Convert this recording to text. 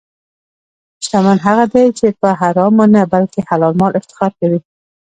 شتمن هغه دی چې په حرامو نه، بلکې حلال مال افتخار کوي.